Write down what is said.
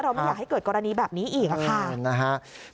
ไม่อยากให้เกิดกรณีแบบนี้อีกค่ะ